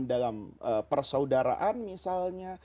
dalam persaudaraan misalnya